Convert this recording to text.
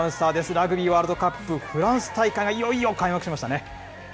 ラグビーワールドカップフランス大会がいよいよ開幕しましたね。